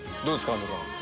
安藤さん。